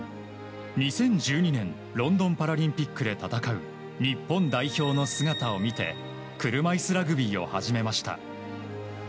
２０１２年ロンドンパラリンピックで戦う日本代表の姿を見て車いすラグビーを始めました。